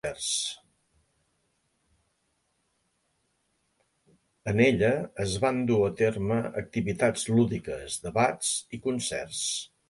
En ella es van dur a terme activitats lúdiques, debats i concerts.